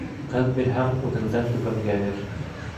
Ҡыҙ бирһәң, үҙеңдән түбәнгә бир.